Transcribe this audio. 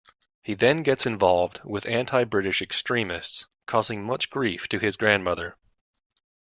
He then gets involved with anti-British extremists, causing much grief to his grandmother.